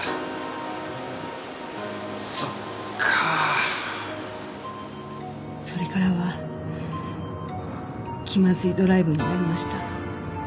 それからは気まずいドライブになりました。